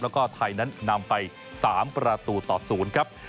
แล้วก็ไทยนั้นนำไป๓ประตูต่อ๐ครับ